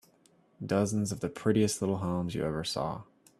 Dozens of the prettiest little homes you ever saw.